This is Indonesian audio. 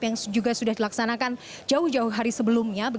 yang juga sudah dilaksanakan jauh jauh hari sebelumnya